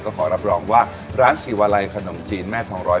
ก็ขอรับรองว่าร้านชีวาลัยขนมจีนแม่ทองร้อย